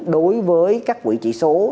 đối với các quỹ chỉ số